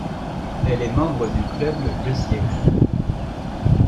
Elle est membre du club Le Siècle.